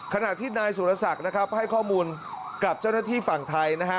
ขณะที่นายสุรศักดิ์นะครับให้ข้อมูลกับเจ้าหน้าที่ฝั่งไทยนะฮะ